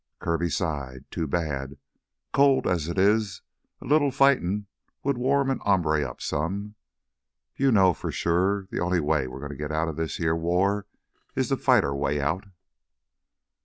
Kirby sighed. "Too bad. Cold as it is, a little fightin' would warm an hombre up some. You know, for sure, the only way we're gonna git outta this heah war is to fight our way out."